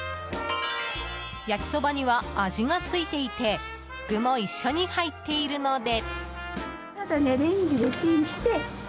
焼きそばには味がついていて具も一緒に入っているので。